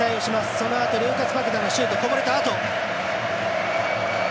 そのあとルーカス・パケタのシュートこぼれたあと。